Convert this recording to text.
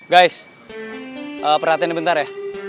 guys perhatian bentar ya